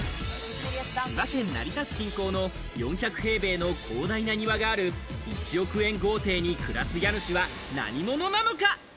千葉県・成田市近郊の４００平米の広大な庭がある１億円豪邸に暮らす家主は何者なのか。